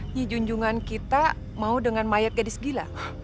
di junjungan kita mau dengan mayat gadis gila